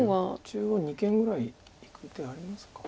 中央二間ぐらいいく手ありますか。